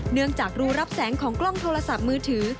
เนื่องจากรูรับแสงของกล้องโทรศัพท์มือถือ